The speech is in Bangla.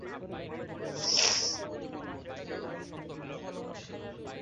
যেন কিশোর কন্দর্প!